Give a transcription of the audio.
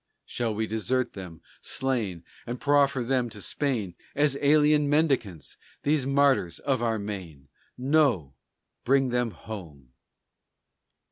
Shall we desert them, slain, And proffer them to Spain As alien mendicants, these martyrs of our Maine? No! Bring them home!